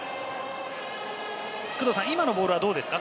今のボールはどうですか？